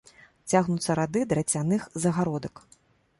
Цягнуцца рады драцяных загародак.